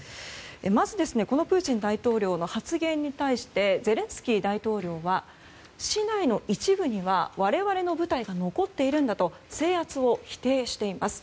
まず、このプーチン大統領の発言に対してゼレンスキー大統領は市内の一部には我々の部隊がまだ残っているんだと制圧を否定しています。